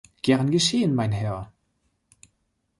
Gern geschehen mein Herr.